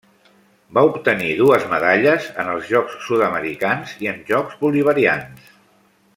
Va obtenir dues medalles en els Jocs Sud-americans i en Jocs Bolivarians.